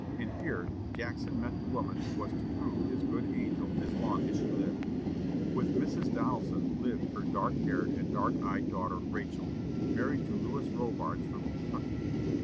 And here Jackson met the woman who was to prove his good angel as long as she lived. With Mrs. Donelson lived her dark haired and dark eyed daughter Rachel, married to Lewis Robards from Kentucky.